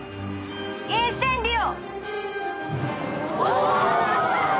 インセンディオ。